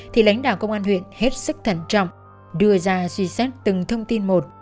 thì lãnh đạo công an huyện hết sức thận trọng đưa ra suy xét từng thông tin một